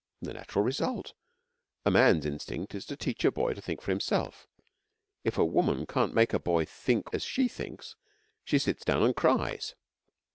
'The natural result. A man's instinct is to teach a boy to think for himself. If a woman can't make a boy think as she thinks, she sits down and cries.